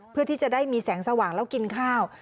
เพื่อที่จะได้มีแสงสว่างแล้วกินข้าว